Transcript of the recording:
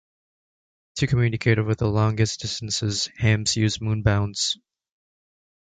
To communicate over the longest distances, hams use moon bounce.